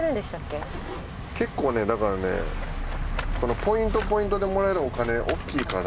結構ねだからねこのポイントポイントでもらえるお金大きいから。